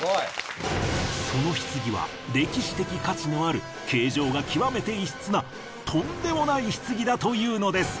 その棺は歴史的価値のある形状が極めて異質なとんでもない棺だというのです。